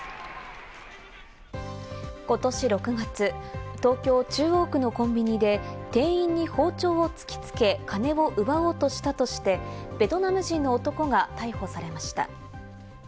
ことし６月、東京・中央区のコンビニで店員に包丁を突きつけ、金を奪おうとしたとして、ベトナム人の男が逮捕されました。